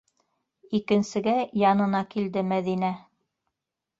Икенсегә янына килде Мәҙинә.